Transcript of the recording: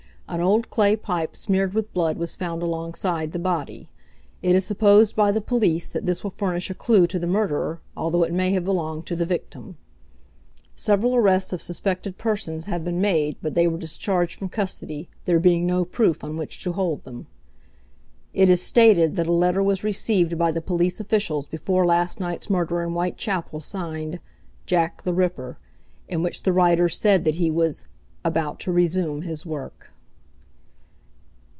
An old clay pipe smeared with blood was found alongside the body. It is supposed by the police that this will furnish a clue to the murderer, although it may have belonged to the victim. Several arrests of suspected persons have been made but they were discharged from custody, there being no proof on which to hold them. It is stated that a letter was recieved by the police officials before last night's murder in Whitechapel signed "Jack the Ripper," in which the writer said that he was "about to resume his work."